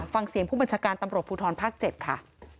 ฟังเสียงผู้บัญชาการตำรวจภูทรภาค๗ค่ะ